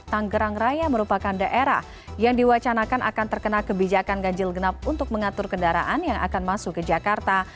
tanggerang raya merupakan daerah yang diwacanakan akan terkena kebijakan ganjil genap untuk mengatur kendaraan yang akan masuk ke jakarta